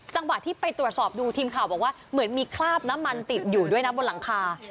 จังหวะที่ไปตรวจสอบดูทีมข่าวบอกว่าเหมือนมีคราบน้ำมันติดอยู่ด้วยนะบนหลังคา